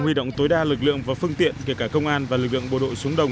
huy động tối đa lực lượng và phương tiện kể cả công an và lực lượng bộ đội xuống đồng